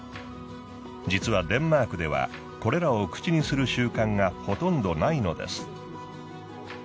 実はデンマークではこれらを口にする習慣がほとんどないのです。